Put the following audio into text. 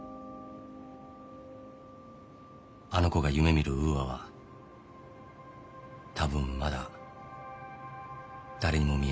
あの子が夢見るウーアは多分まだ誰にも見えない。